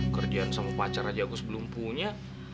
kerjaan sama pacar aja agus belum punya